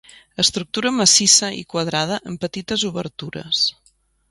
Estructura massissa i quadrada amb petites obertures.